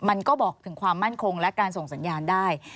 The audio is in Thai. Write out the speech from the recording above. มันก็บอกถึงความมั่นคงและการส่งสัญญาณได้